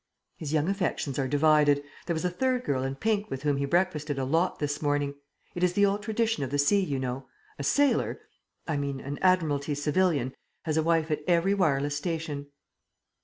"His young affections are divided. There was a third girl in pink with whom he breakfasted a lot this morning. It is the old tradition of the sea, you know. A sailor I mean an Admiralty civilian has a wife at every wireless station."